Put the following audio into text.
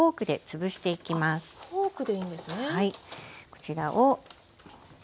こちらを。